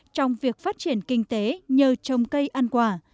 trong việc phát triển kinh tế nhờ trồng cây ăn quả